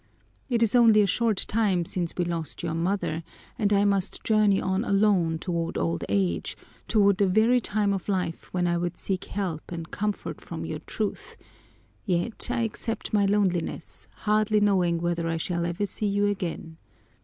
It is only a short time since we lost your mother, and I must journey on alone toward old age, toward the very time of life when I would seek help and comfort from your youth, yet I accept my loneliness, hardly knowing whether I shall ever see you again.